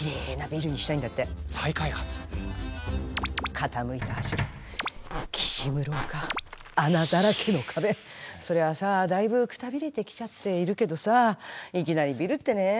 傾いた柱きしむ廊下穴だらけの壁そりゃあさあだいぶくたびれてきちゃっているけどさあいきなりビルってねえ。